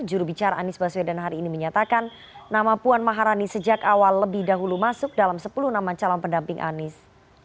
jurubicara anies baswedan hari ini menyatakan nama puan maharani sejak awal lebih dahulu masuk dalam sepuluh nama calon pendamping anies